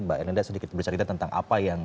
mbak elinda sedikit bercerita tentang apa yang